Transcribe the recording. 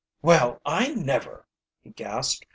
"Well, I never!" he gasped.